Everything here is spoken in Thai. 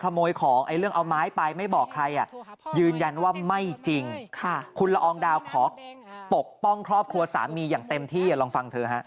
ปกติกระทบกระทั่งกันด้วยมั้ยคะ